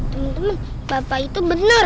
teman teman bapak itu bener